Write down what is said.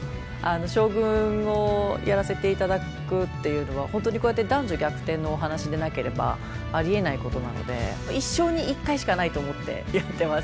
将軍をやらせて頂くっていうのは本当にこうやって男女逆転のお話でなければありえないことなので一生に一回しかないと思ってやってます。